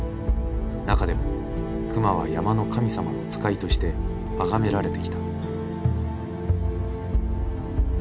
中でも熊は山の神様の使いとして崇められてきた。